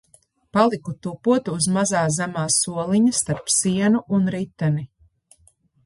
Paliku tupot uz mazā zemā soliņa starp sienu un riteni.